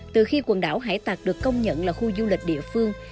từ khi quần đảo hải tạc được công nhận là khu du lịch địa phương